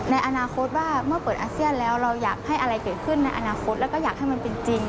ในอนาคตว่าเมื่อเปิดอาเซียนแล้วเราอยากให้อะไรเกิดขึ้นในอนาคตแล้วก็อยากให้มันเป็นจริง